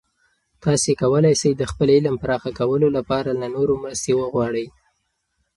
تاسې کولای سئ د خپل علم پراخه کولو لپاره له نورو مرستې وغواړئ.